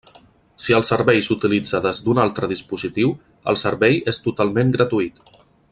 Si el servei s'utilitza des d'un altre dispositiu, el servei és totalment gratuït.